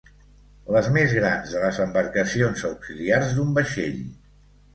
Les més grans de les embarcacions auxiliars d'un vaixell.